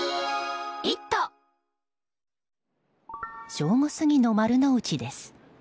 正午過ぎの丸の内です。